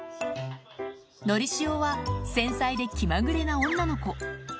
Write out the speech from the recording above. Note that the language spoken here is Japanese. のりしおは繊細で気まぐれな女の子。